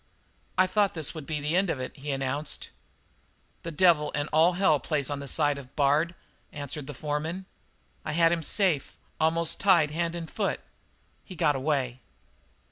"I thought this would be the end of it," he announced. "The devil and all hell plays on the side of Bard," answered the foreman. "I had him safe almost tied hand and foot. He got away."